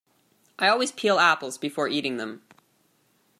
I always peel apples before eating them.